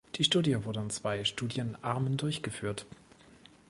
Die Studie wurde in zwei Studien-Armen durchgeführt.